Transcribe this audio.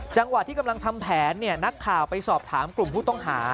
จังหวะที่กำลังทำแผนนักข่าวไปสอบถามกลุ่มผู้ต้องหา